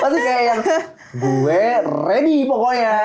pasti kayak yang gue ready pokoknya